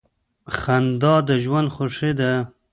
• خندا د ژوند خوښي ده.